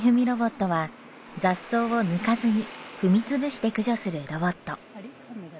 ロボットは雑草を抜かずに踏み潰して駆除するロボット。